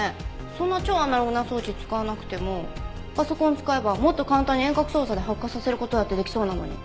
そんな超アナログな装置使わなくてもパソコン使えばもっと簡単に遠隔操作で発火させる事だって出来そうなのに。